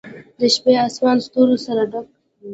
د شپې آسمان ستورو سره ډک و.